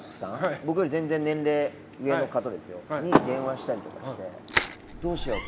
僕より全然、年齢が上の方に電話したりとかしてどうしよう？って。